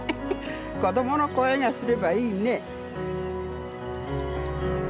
子どもの声がすればいいね。